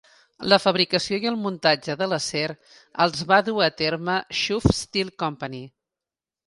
La fabricació i el muntatge de l'acer els va dur a terme Schuff Steel Company.